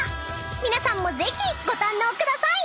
［皆さんもぜひご堪能ください！］